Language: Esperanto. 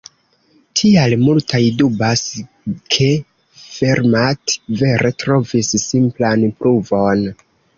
Tial multaj dubas, ke Fermat vere trovis simplan pruvon.